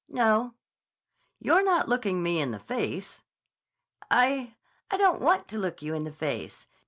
"No." "You're not looking me in the face." "I—I don't want to look you in the face.